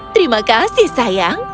terima kasih sayang